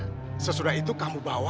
makasih baik kamu grandpa